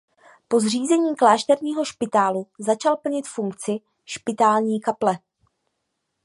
Po zřízení klášterního špitálu začal plnit funkci špitální kaple.